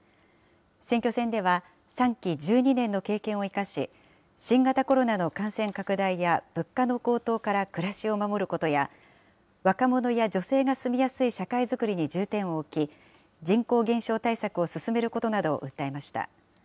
選挙戦では３期１２年の経験を生かし、新型コロナの感染拡大や物価の高騰から暮らしを守ることや、若者や女性が住みやすい社会づくりに重点を置き、人口減少対策を進めることなどを訴えました。